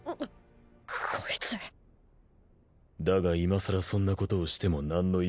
こいつだがいまさらそんなことをしても何の意味もない。